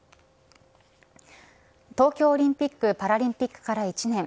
東京オリンピック・パラリンピックから１年。